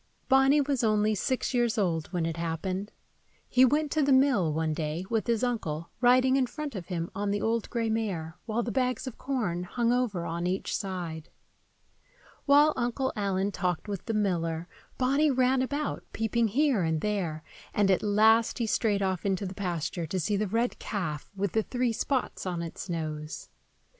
BONNY was only six years old when it happened. He went to the mill, one day, with his uncle, riding in front of him on the old gray mare, while the bags of corn hung over on each side. While Uncle Allen talked with the miller, Bonny ran about, peeping here and there; and at last he strayed off into the pasture to see the red calf with the three spots on its nose.